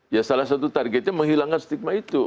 ya salah satu targetnya menghilangkan stigma itu